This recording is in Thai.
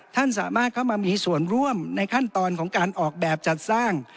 ท่านสามารถเข้ามามีส่วนร่วมในขั้นตอนของการออกแบบจัดสร้าง